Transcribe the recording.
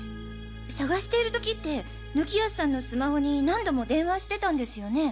捜している時って貫康さんのスマホに何度も電話してたんですよね？